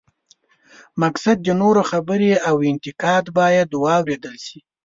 مقصد د نورو خبرې او انتقاد باید واورېدل شي.